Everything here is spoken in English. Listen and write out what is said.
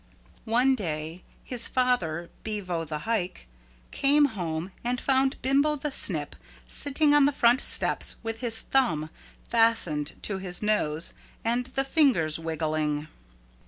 One day his father, Bevo the Hike, came home and found Bimbo the Snip sitting on the front steps with his thumb fastened to his nose and the fingers wiggling.